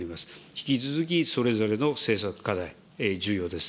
引き続きそれぞれの政策課題、重要です。